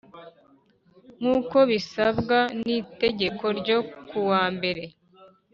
nkuko bisabwa n itegeko ryo ku wa mbere